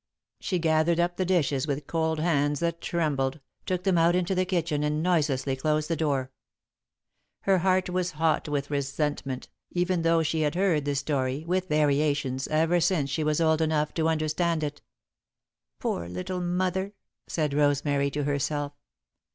She gathered up the dishes with cold hands that trembled, took them out into the kitchen, and noiselessly closed the door. Her heart was hot with resentment, even though she had heard the story, with variations, ever since she was old enough to understand it. "Poor little mother," said Rosemary, to herself.